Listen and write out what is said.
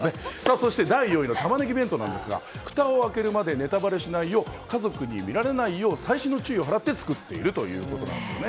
そして第４位のタマネギ弁当なんですがふたを開けるまでネタバレしないよう家族に見られないよう細心の注意を払って作っているということなんですよね。